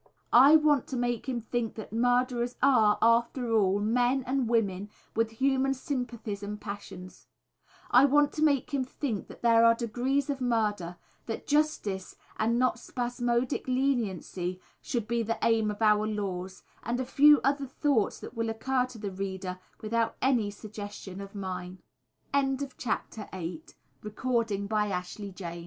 I want to make him think that murderers are, after all, men and women, with human sympathies and passions. I want to make him think that there are degrees of murder, that justice, and not spasmodic leniency should be the aim of our laws, and a few other thoughts that will occur to the reader without any s